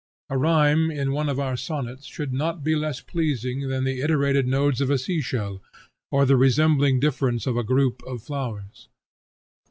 A rhyme in one of our sonnets should not be less pleasing than the iterated nodes of a sea shell, or the resembling difference of a group of flowers.